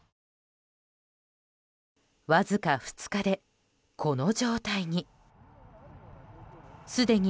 わずか２日で、この状態に。